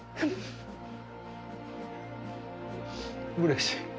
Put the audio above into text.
うれしい。